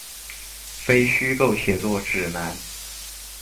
非虛構寫作指南